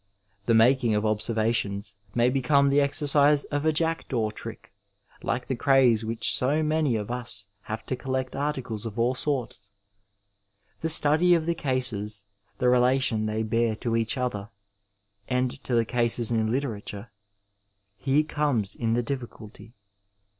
The making of observations, may become the exercise of a jackdaw trick, like the craze which so many of us have to collect articles of all sorts. The study of the cases, the relation they bear to each other and to the cases in hterature — ^here comes in the difficulty.